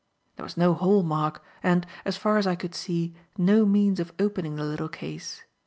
There was no hall mark and, as far as I could see, no means of opening the little case.